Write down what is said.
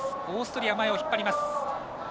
オーストリア引っ張ります。